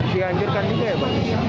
di anjurkan juga ya pak